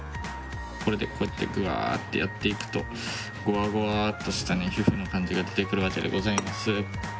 これでこうやってぐわってやっていくとゴワゴワっとしたね皮膚の感じが出てくるわけでございます。